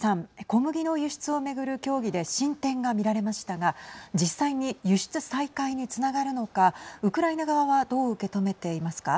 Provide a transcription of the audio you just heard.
小麦の輸出を巡る協議で進展が見られましたが実際に輸出再開につながるのかウクライナ側はどう受け止めていますか。